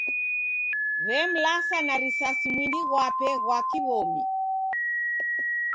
W'emlasa na risasi mwindi ghwape ghwa kiw'omi.